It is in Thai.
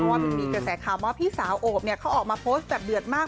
เพราะว่ามีเกษตรคำว่าพี่สาวโอบเนี่ยเขาออกมาโพสต์แบบเดือดมาก